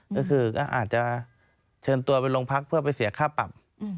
ก็คือก็อาจจะเชิญตัวไปโรงพักเพื่อไปเสียค่าปรับ